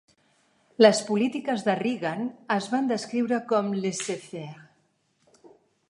Les polítiques de Reagan es van descriure com "laissez-faire".